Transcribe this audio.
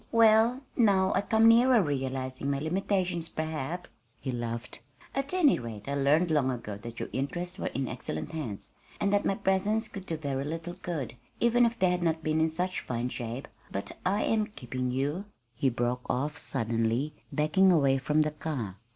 Well, now I come nearer realizing my limitations, perhaps," he laughed. "At any rate, I learned long ago that your interests were in excellent hands, and that my presence could do very little good, even if they had not been in such fine shape.... But I am keeping you," he broke off suddenly, backing away from the car.